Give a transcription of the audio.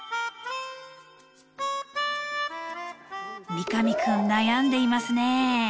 三上君悩んでいますね。